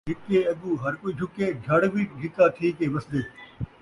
جھِکے اڳوں ہر کئی جھُکے ، جھَڑ وی جھِکا تھی کے وسدے